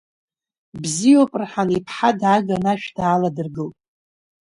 Бзиоуп, рҳан, иԥҳа дааган ашә дааладыргылт.